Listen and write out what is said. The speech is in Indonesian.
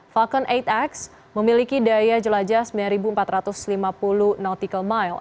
falcon delapan x memiliki daya jelajah sembilan empat ratus lima puluh nautical mile